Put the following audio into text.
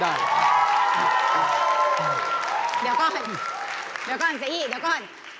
เดี๋ยวก่อนเดี๋ยวก่อนเสียอีกเดี๋ยวก่อน